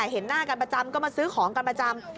เห็นหน้ากันประจำก็มาซื้อของกันประจำ